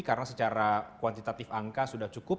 karena secara kuantitatif angka sudah cukup